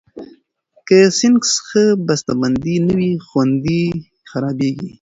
که سنکس ښه بستهبندي نه وي، خوند یې خرابېږي.